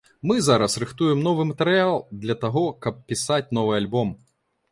Мы зараз рыхтуем новы матэрыял для таго, каб пісаць новы альбом.